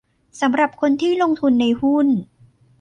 สำหรับคนที่ลงทุนในหุ้น